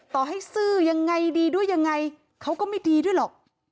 ต่อให้ซื่อยังไงดีด้วยยังไงเขาก็ไม่ดีด้วยหรอก